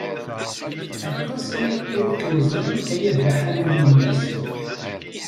Aṭas aya ur k-neẓri ay abaḥan n yemma-s